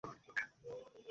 কেবলই বকে, দিনরাত বকে।